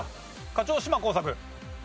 『課長島耕作』。